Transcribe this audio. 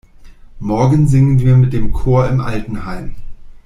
Morgen singen wir mit dem Chor im Altenheim.